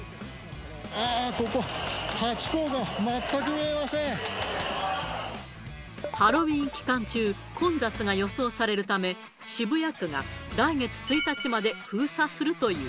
あー、ここ、ハロウィーン期間中、混雑が予想されるため、渋谷区が来月１日まで封鎖するという。